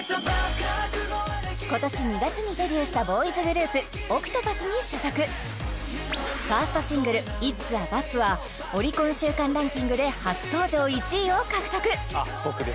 今年２月にデビューしたボーイズグループＯＣＴＰＡＴＨに所属ファーストシングル「ＩＴ’ＳＡＢＯＰ」はオリコン週間ランキングで初登場１位を獲得